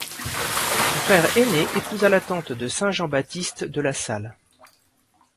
Son frère aîné épousa la tante de saint Jean-Baptiste de La Salle.